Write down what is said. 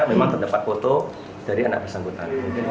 memang terdapat foto dari anak bersangkutan